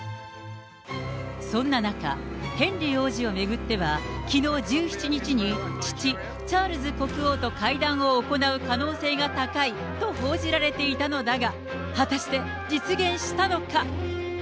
そんな中、ヘンリー王子を巡っては、きのう１７日に、父、チャールズ国王と会談を行う可能性が高いと報じられていたのだが、果たして実現したのか。